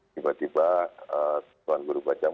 tiba tiba tuan guru baca